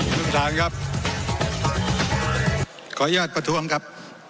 ขออนุญาตประท้วงครับ